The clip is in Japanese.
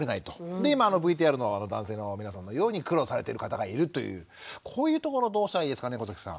で今ＶＴＲの男性の皆さんのように苦労されてる方がいるというこういうところどうしたらいいですかね小崎さん。